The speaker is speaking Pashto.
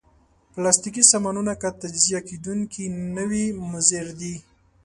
پلاستيکي سامانونه که تجزیه کېدونکي نه وي، مضر دي.